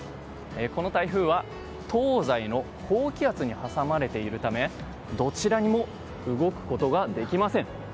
この台風は東西の高気圧に挟まれているためどちらにも動くことができません。